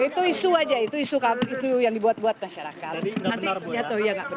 itu isu aja itu isu yang dibuat buat masyarakat